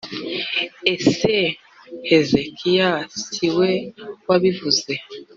ese hezekiya si we wabivuze